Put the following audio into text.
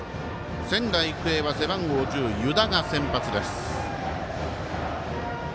仙台育英は背番号１０湯田が先発です。